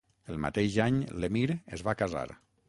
El mateix any l'emir es va casar.